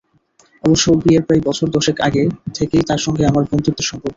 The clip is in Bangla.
অবশ্য বিয়ের প্রায় বছর দশেক আগে থেকেই তাঁর সঙ্গে আমার বন্ধুত্বের সম্পর্ক।